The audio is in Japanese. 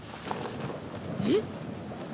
えっ！？